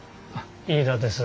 飯田です。